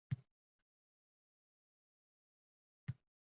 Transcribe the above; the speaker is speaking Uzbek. – Nasiba ekan-da! – debdi vazir.